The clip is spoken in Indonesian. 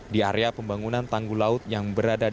di area pembangunan tanggul laut yang berada di